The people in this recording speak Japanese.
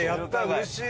うれしい！